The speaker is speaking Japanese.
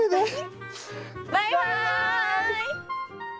バイバイ！